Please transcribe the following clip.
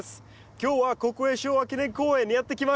今日は国営昭和記念公園にやって来ました。